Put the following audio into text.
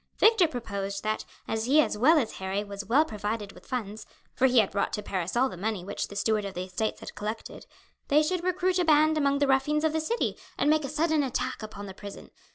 Victor proposed that, as he as well as Harry was well provided with funds, for he had brought to Paris all the money which the steward of the estates had collected, they should recruit a band among the ruffians of the city, and make a sudden attack upon the prison.